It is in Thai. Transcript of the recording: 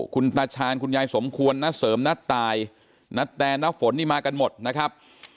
คุณตาชาญคุณยายสมควรณเสริมนัดตายณแตน้าฝนนี่มากันหมดนะครับ